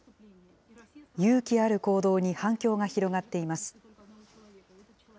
勇気ある行動に反響が広がっています。